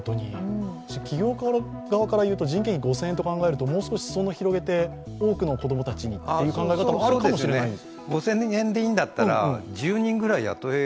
企業側からいうと人件費５０００円と考えると、もう少し裾野を広げて多くの子供たちにって考え方もあるかもしれないです。